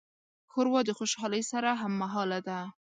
ښوروا د خوشالۍ سره هممهاله ده.